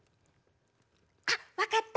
あ！分かった。